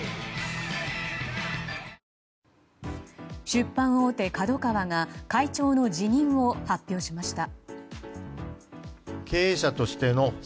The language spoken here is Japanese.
出版大手ＫＡＤＯＫＡＷＡが会長の辞任を発表しました。